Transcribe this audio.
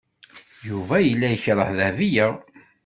Yuba yella yekreh Dahbiya.